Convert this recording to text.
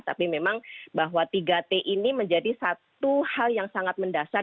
tapi memang bahwa tiga t ini menjadi satu hal yang sangat mendasar